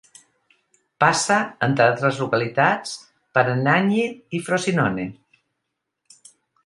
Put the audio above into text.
Passa, entre altres localitats, per Anagni i Frosinone.